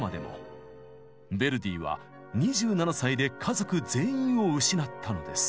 ヴェルディは２７歳で家族全員を失ったのです。